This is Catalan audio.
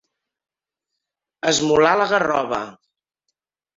Esmolar la garrova.